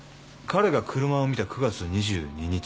彼が車を見た９月２２日